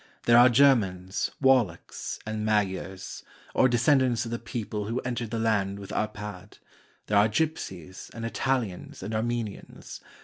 There are Germans, Wallachs, and Magyars, or de scendants of the people who entered the land with Arpad; there are gypsies and Italians and Armenians.